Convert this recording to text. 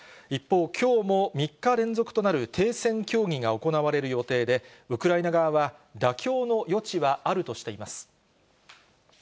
一方、きょうも３日連続となる停戦協議が行われる予定で、ウクライナ側は、妥協の余地はあるとしています。